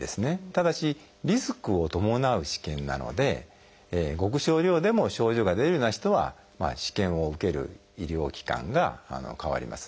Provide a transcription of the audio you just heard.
ただしリスクを伴う試験なのでごく少量でも症状が出るような人は試験を受ける医療機関が変わります。